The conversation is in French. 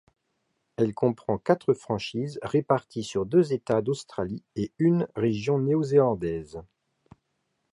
Elle comprend quatre franchises réparties sur deux États d'Australie et unne région néo-zélandaise.